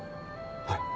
はい。